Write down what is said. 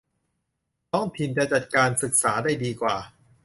ท้องถิ่นจะจัดการศึกษาได้ดีกว่า